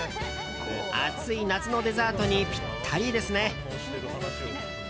暑い夏のデザートにぴったりですね。